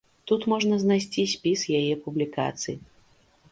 Тут можна знайсці спіс яе публікацый.